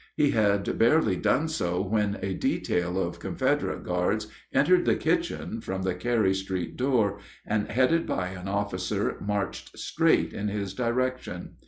He had barely done so when a detail of Confederate guards entered the kitchen from the Carey street door, and, headed by an officer, marched straight in his direction.